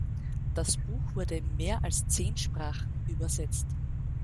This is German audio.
Das Buch wurde in mehr als zehn Sprachen übersetzt.